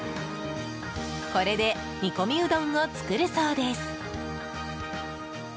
これで煮込みうどんを作るそうです。